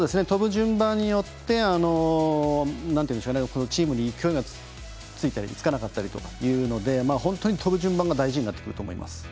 飛ぶ順番によってチームに勢いがついたりつかなかったりというので本当に飛ぶ順番が大事になってくると思います。